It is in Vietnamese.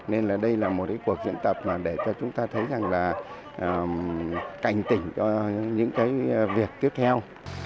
nên là đây là một cái cuộc diễn tập để cho chúng ta thấy rằng là cảnh tỉnh cho những cái việc tiếp theo